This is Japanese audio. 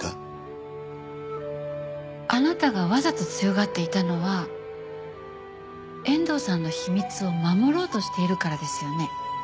あなたがわざと強がっていたのは遠藤さんの秘密を守ろうとしているからですよね？